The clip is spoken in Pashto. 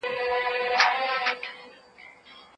پانګوال بايد د انصاف لاره خپله کړي.